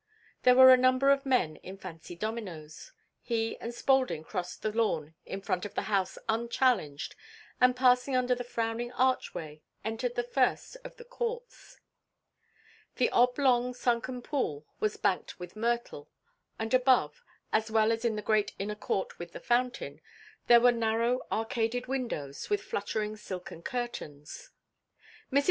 There were a number of men in fancy dominoes; he and Spaulding crossed the lawn in front of the house unchallenged and, passing under the frowning archway, entered the first of the courts. The oblong sunken pool was banked with myrtle, and above, as well as in the great inner court with the fountain, there were narrow arcaded windows with fluttering silken curtains. Mrs.